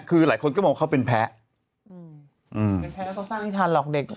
คือหลายคนก็มองเขาเป็นแพ้เป็นแพ้แล้วก็สร้างอิทธารหลอกเด็ก